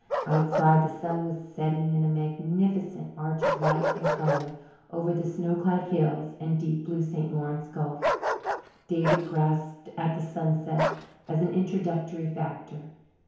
Outside the sun was setting in a magnificent arch of light and colour over the snow clad hills and deep blue St. Lawrence gulf. David grasped at the sunset as an introductory factor.